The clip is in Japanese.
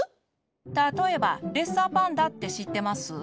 たとえばレッサーパンダってしってます？